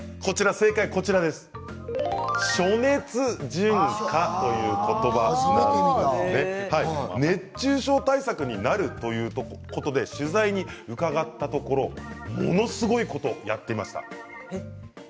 正解はしょねつじゅんかという言葉熱中症対策になるということで取材に伺ったところものすごいことやってました。